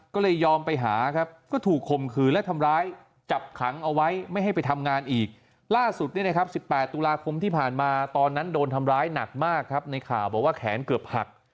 ก็เลยยอมไปหาครับก็ถูกคมคืนและทำร้ายจับขังเอาไว้ไม่ให้ไปทำงานอีกล่าสุดเนี่ยนะครับ๑๘ตุลาคมที่ผ่านมาตอนนั้นโดนทำร้ายหนักมากครับในข่าวบอกว่าแขนเกือบหัก